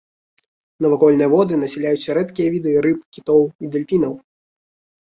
Навакольныя воды насяляюць рэдкія віды рыб, кітоў і дэльфінаў.